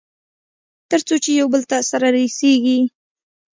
تر څو چې يوبل ته سره رسېږي.